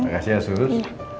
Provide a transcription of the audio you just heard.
terima kasih asus